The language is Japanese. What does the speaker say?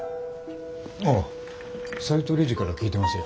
あ斎藤理事から聞いてますよ。